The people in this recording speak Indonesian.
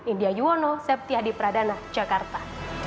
india yuwono septi hadi pradana jakarta